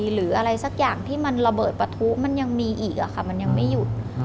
หรืออะไรสักอย่างที่มันระเบิดปะทุมันยังมีอีกมันยังไม่หยุด